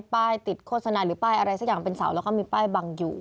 ป้ายติดโฆษณาหรือป้ายอะไรสักอย่างเป็นเสาแล้วก็มีป้ายบังอยู่